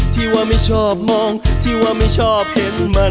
ที่ว่าไม่ชอบมองที่ว่าไม่ชอบเห็นมันไม่จริงใช่ไหม